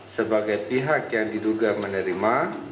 sebagai pihak yang diduga menerima